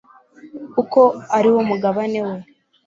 kuko ari wo mugabane we